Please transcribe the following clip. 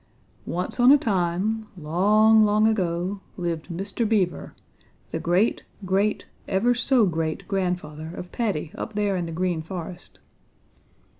"Once on a time, long, long ago, lived Mr. Beaver, the great great ever so great grandfather of Paddy up there in the Green Forest.